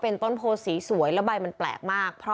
เป็นต้นโพสีสวยและใบมันแปลกมาก